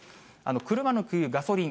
車の給油、ガソリン。